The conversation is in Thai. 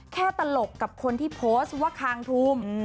ตลกกับคนที่โพสต์ว่าคางทูม